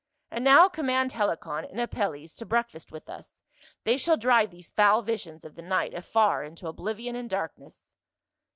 And now command Helicon and Apelles to breakfast with us. They shall drive these foul visions of the night afar into oblivion and darkness."